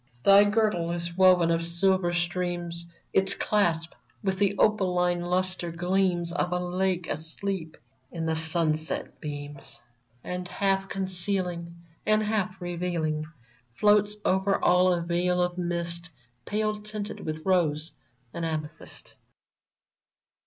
Thy girdle is woven of silver streams ; Its clasp with the opaline lustre gleams Of a lake asleep in the sunset beams ; And, half concealing And half revealing. Floats over all a veil of mist Pale tinted with rose and amethyst